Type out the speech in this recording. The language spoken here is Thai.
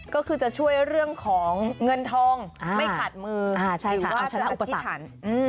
ก็คือจะช่วยเรื่องของเงินทองไม่ขาดมือหรือว่าชนะอุปถัน